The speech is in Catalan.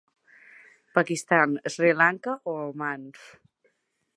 Pakistan, Sri Lanka o Oman.